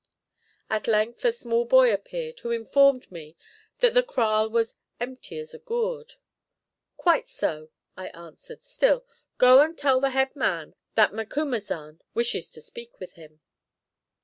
At length a small boy appeared who informed me that the kraal was "empty as a gourd." "Quite so," I answered; "still, go and tell the headman that Macumazahn wishes to speak with him."